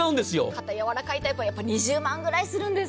肩やわらかいタイプは２０万くらいするんです。